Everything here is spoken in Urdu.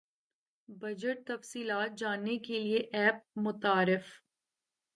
بجٹ تفصیلات جاننے کیلئے ایپ متعارف